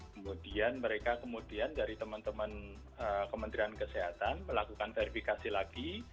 kemudian mereka kemudian dari teman teman kementerian kesehatan melakukan verifikasi lagi